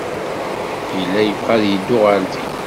Yella yebɣa ad yeddu ɣer din.